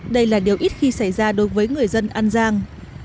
đây là điều ít khi xảy ra đối với người dân an giang